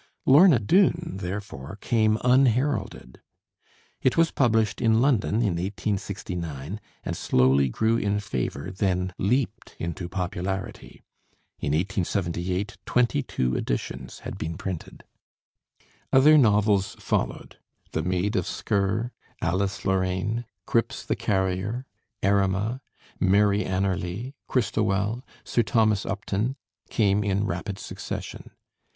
'Lorna Doone' therefore came unheralded. It was published in London in 1869 and slowly grew in favor, then leaped into popularity. In 1878 twenty two editions had been printed. Other novels followed. 'The Maid of Sker,' 'Alice Lorraine,' 'Cripps the Carrier,' 'Erema,' 'Mary Anerley,' 'Christowell,' 'Sir Thomas Upton,' came in rapid succession.